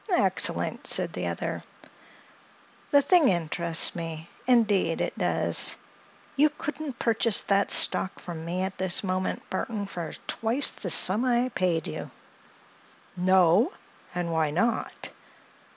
"Excellent!" said the other. "The thing interests me—indeed it does. You couldn't purchase that stock from me at this moment, Burthon, for twice the sum I paid you." "No? And why not?"